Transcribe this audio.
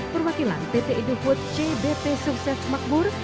perwakilan pt indofood cbp sukses makmur